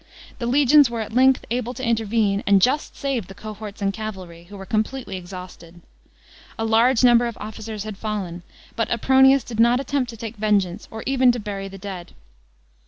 The legions were at length able to intervene, and just saved the cohorts and cavalry, who were com' pletely exhausted. A large number of officers had fallen, but Apronius did not attempt to take vengeance or even to bury the dead.